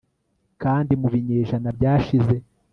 Kandi mu binyejana byashize